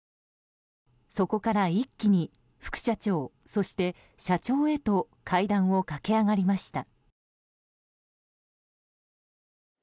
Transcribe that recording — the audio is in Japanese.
そこから一気に副社長そして、社長へと階段を駆け上がりました。